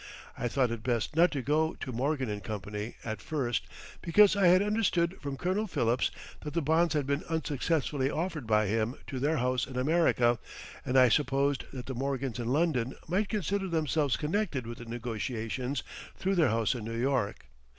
I thought it best not to go to Morgan & Co. at first, because I had understood from Colonel Phillips that the bonds had been unsuccessfully offered by him to their house in America and I supposed that the Morgans in London might consider themselves connected with the negotiations through their house in New York.